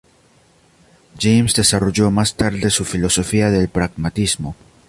James desarrolló más tarde su filosofía del pragmatismo.